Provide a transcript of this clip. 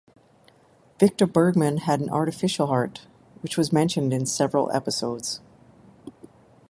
Victor Bergman had an artificial heart, which was mentioned in several episodes.